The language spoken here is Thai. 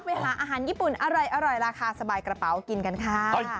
ไปหาอาหารญี่ปุ่นอร่อยราคาสบายกระเป๋ากินกันค่ะ